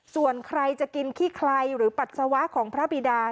ส่วนใครจะกินขี้ไคร้หรือปัสสาวะของพระบิดา